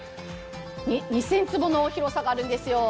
２０００坪の広さがあるんですよ。